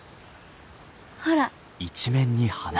ほら。